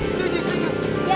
yaudah sekarang ke taman ya